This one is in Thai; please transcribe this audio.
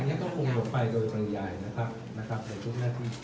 อันนี้ก็คงลงไปโดยประยายในทุกหน้าที่